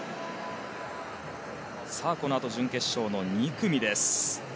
このあと準決勝の２組です。